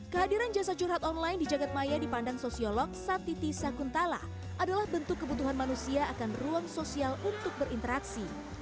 kehadiran jasa curhat online di jagadmaya dipandang sosiolog satiti sakuntala adalah bentuk kebutuhan manusia akan ruang sosial untuk berinteraksi